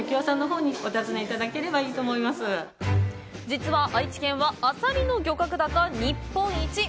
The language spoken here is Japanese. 実は愛知県は、あさりの漁獲高日本一！